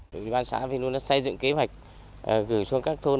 đội đoàn xã vinh luân đã xây dựng kế hoạch gửi xuống các thôn